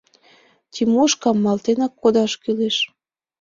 Тимошкам малтенак кодаш кӱлеш!